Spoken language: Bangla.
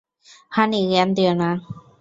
হানি, জ্ঞান দিয়ো না।